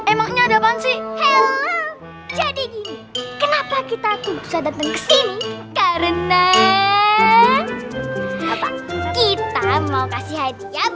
emangnya ada apaan sih jadi kenapa kita datang ke sini karena kita mau kasih hadiah